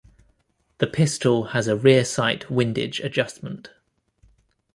The pistol has a rear sight windage adjustment.